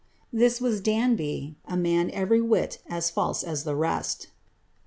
"* This was Danby, a man every whit as Use as the rest.